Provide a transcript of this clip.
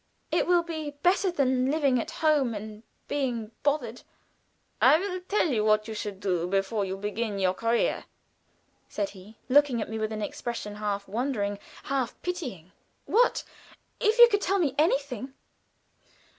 It will be better than living at home and being bothered." "I will tell you what you should do before you begin your career," said he, looking at me with an expression half wondering, half pitying. "What? If you could tell me anything."